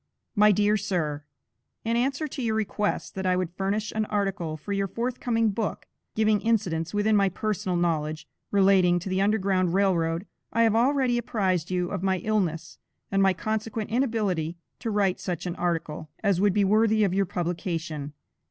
My dear Sir: In answer to your request, that I would furnish, an article for your forthcoming book, giving incidents within my personal knowledge, relating to the Underground Rail Road; I have already apprized you of my illness and my consequent inability to write such an article as would be worthy of your publication.